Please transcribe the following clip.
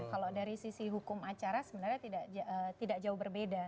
kalau dari sisi hukum acara sebenarnya tidak jauh berbeda